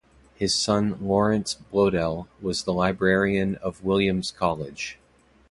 His son Lawrence Bloedel was the librarian of Williams College.